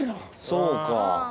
そうか。